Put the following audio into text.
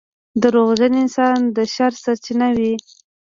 • دروغجن انسان د شر سرچینه وي.